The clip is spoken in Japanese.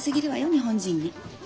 日本人に。